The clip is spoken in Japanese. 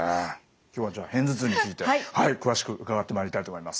今日はじゃあ片頭痛について詳しく伺ってまいりたいと思います。